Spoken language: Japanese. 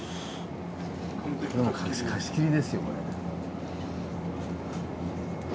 これもう貸し切りですよこれ。